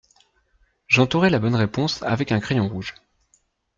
J’entourai la bonne réponse avec un crayon rouge.